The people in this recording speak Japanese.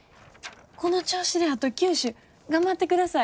この調子であと９首頑張ってください。